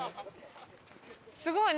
すごい！